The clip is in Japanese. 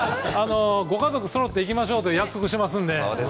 ご家族そろって行きましょうと約束してますんで。